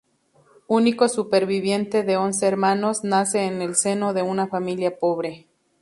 Único superviviente de once hermanos, nace en el seno de una familia pobre.